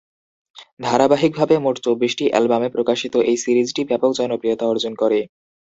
ধারাবাহিকভাবে মোট চব্বিশটি অ্যালবামে প্রকাশিত এই সিরিজটি ব্যাপক জনপ্রিয়তা অর্জন করে।